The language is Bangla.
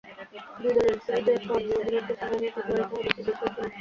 দুই দলের সিরিজের পর নিউজিল্যান্ডকে সঙ্গে নিয়ে ফেব্রুয়ারিতে হবে ত্রিদেশীয় সিরিজ।